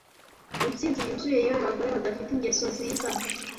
intsinzi yuzuye yewe bagore badafite ingeso nziza